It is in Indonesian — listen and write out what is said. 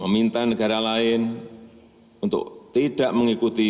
pemindahan kedutaan besar amerika serikat ke yerusalem ini tidak akan berhasil